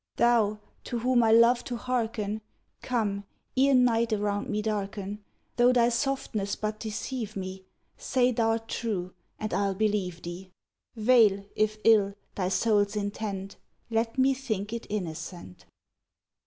Thou, to whom I love to hearken, Come, ere night around me darken; Though thy softness but deceive me, Say thou'rt true, and I'll believe thee; Veil, if ill, thy soul's intent, Let me think it innocent!